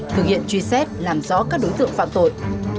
thực hiện truy xét làm rõ các đối tượng phạm tội